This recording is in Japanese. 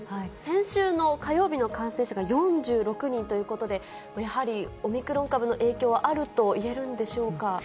先週の火曜日の感染者が４６人ということで、やはりオミクロン株の影響はあるといえるんでしょうか？